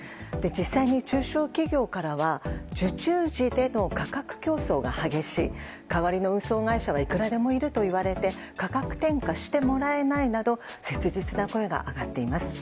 実際に中小企業からは受注時での価格競争が激しい代わりの運送会社はいくらでもいるといわれて価格転嫁してもらえないなど切実な声が上がっています。